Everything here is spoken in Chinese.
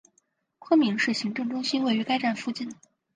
昆明市行政中心位于该站附近。